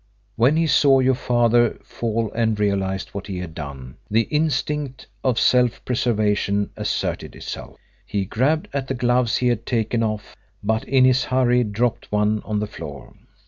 When he saw your father fall and realised what he had done, the instinct of self preservation asserted itself. He grabbed at the gloves he had taken off, but in his hurry dropped one on the floor.